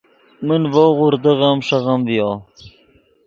من ڤؤ غوردغیم ݰیغیم ڤیو